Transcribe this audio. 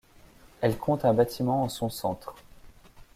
Elle compte un bâtiment en son centre.